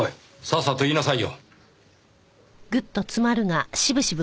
さっさと言いなさいよ！